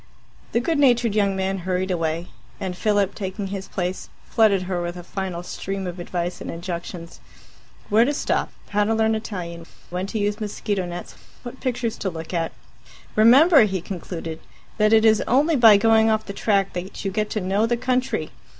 The good natured young man hurried away, and Philip, taking his place, flooded her with a final stream of advice and injunctions where to stop, how to learn Italian, when to use mosquito nets, what pictures to look at. "Remember," he concluded, "that it is only by going off the track that you get to know the country.